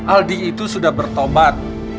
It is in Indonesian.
aldi itu sudah bertobat